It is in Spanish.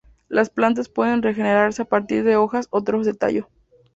Las plantas pueden regenerarse a partir de hojas o trozos de tallo.